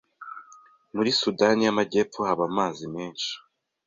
Muri Sudani y'Amajyepfo haba amazi menshi